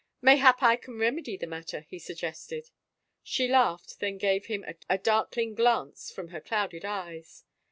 " Mayhap I can remedy the matter? " he suggested. She laughed, then gave him a darkling glance from her clouded eyes.